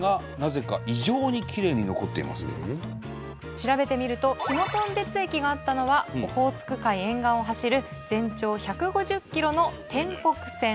調べてみると下頓別駅があったのはオホーツク海沿岸を走る全長１５０キロの天北線。